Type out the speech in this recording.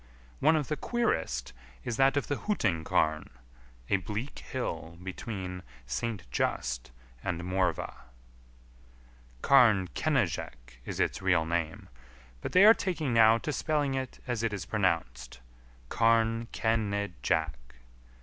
One of the queerest is that of the Hooting Carn, a bleak hill between St. Just and Morvah. Cam Kenidzhek is its real name, but they are taking now to spelling it as it is pronounced Carn Kenidjack.